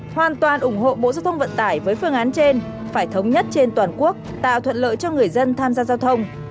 hoàn toàn ủng hộ bộ giao thông vận tải với phương án trên phải thống nhất trên toàn quốc tạo thuận lợi cho người dân tham gia giao thông